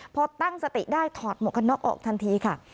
พอตั้งสติได้ถอดหมวกกันน็อกออกทันทีค่ะ